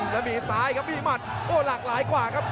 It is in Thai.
แล้วมีซ้ายครับมีหมัดโอ้หลากหลายกว่าครับ